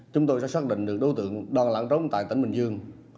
chúng tôi sẽ xác định được đối tượng đoàn lãng trống tại tỉnh bình dương